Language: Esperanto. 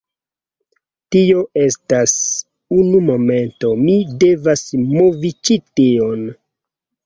Tio estas… unu momento, mi devas movi ĉi tion.